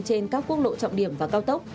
trên các quốc lộ trọng điểm và cao tốc